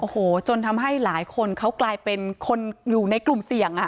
โอ้โหจนทำให้หลายคนเขากลายเป็นคนอยู่ในกลุ่มเสี่ยง